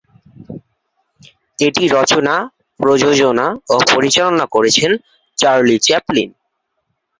এটি রচনা, প্রযোজনা ও পরিচালনা করেছেন চার্লি চ্যাপলিন।